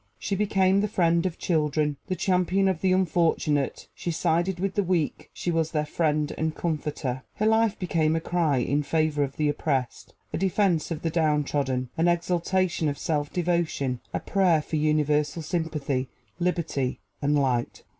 She became the friend of children; the champion of the unfortunate; she sided with the weak; she was their friend and comforter. Her life became a cry in favor of the oppressed, a defense of the downtrodden, an exaltation of self devotion, a prayer for universal sympathy, liberty and light.